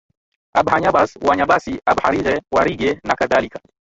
Abhanyabhas Wanyabasi Abhaireghe Wairege nakadhalika